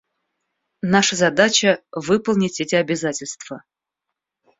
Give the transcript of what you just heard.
Наша задача — выполнить эти обязательства.